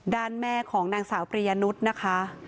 ด้านแม่ของนางสาวปริยนุษย์นะคะ